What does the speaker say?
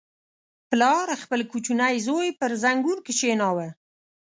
• پلار خپل کوچنی زوی پر زنګون کښېناوه.